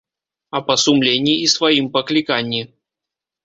А па сумленні і сваім пакліканні.